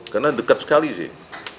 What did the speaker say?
karena dekat sekali sih